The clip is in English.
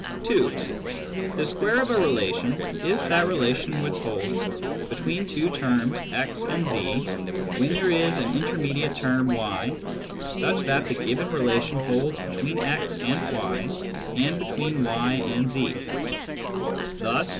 (2) The square of a relation is that relation which holds between two terms x and z when there is an intermediate term y such that the given relation holds between x and y and between y and z.